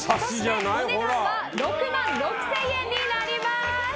お値段は６万６０００円になります。